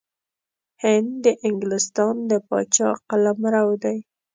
هند د انګلستان د پاچا قلمرو دی.